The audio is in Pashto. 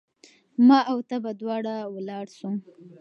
ما او تا به دواړه ولاړ سو